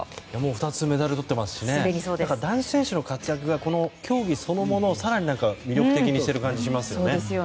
２つメダルをとっていますし男子選手の活躍が競技そのものを更に魅力的にしている感じがしますよね。